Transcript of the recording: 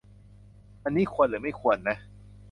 อันนี้ควร หรือไม่ควรนะ